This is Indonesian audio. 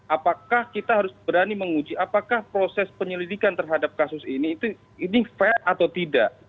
apakah kita harus berani menguji apakah proses penyelidikan terhadap kasus ini ini fair atau tidak